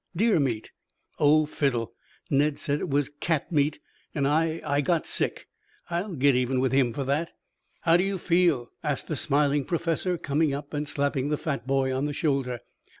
"Deer meat." "Oh, fiddle! Ned said it was cat meat and I I got sick. I'll get even with him for that." "How do you feel?" asked the smiling Professor, coming up and slapping the fat boy on the shoulder.